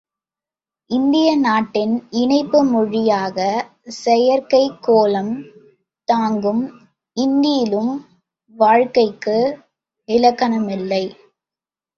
இந்திய நாட்டின் இணைப்பு மொழியாக செயற்கைக் கோலம் தாங்கும் இந்தியிலும் வாழ்க்கைக்கு இலக்கணமில்லை.